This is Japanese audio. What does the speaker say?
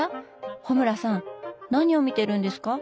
穂村さん何を見ているんですか？